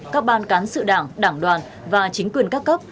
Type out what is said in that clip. các ban cán sự đảng đảng đoàn và chính quyền các cấp